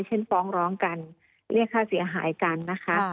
ฟ้องร้องกันเรียกค่าเสียหายกันนะคะ